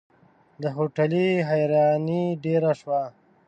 د هوټلي حيراني ډېره شوه.